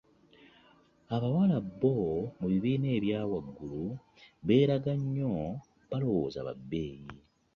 Abawala bo mu bibiina ebyawagulu beraga nnyo babwoza ba beeyi.